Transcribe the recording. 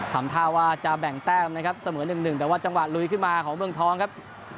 ทำท่าว่าจะแบ่งแต้มนะครับเสมอ๑๑แต่ว่าจังหวะลุยขึ้นมาของเมืองทองครับ